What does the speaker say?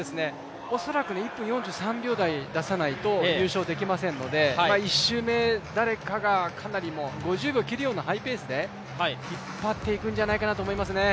恐らく１分４０秒台を出さないと優勝できないので、１周目誰かが、５０秒を切るようなハイペースで引っ張っていくんじゃないかと思いますね。